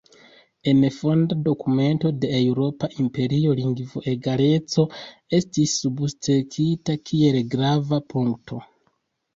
En fonda dokumento de Eŭropa Imperio lingvoegaleco estis substrekita kiel grava punkto.